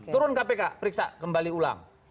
turun kpk periksa kembali ulang